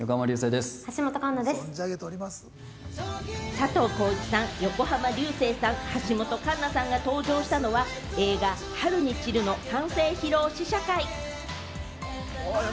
佐藤浩市さん、横浜流星さん、橋本環奈さんが登場したのは、映画『春に散る』の完成披露試写会。